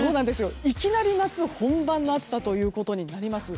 いきなり夏本番の暑さということになります。